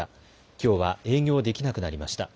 きょうは営業できなくなりました。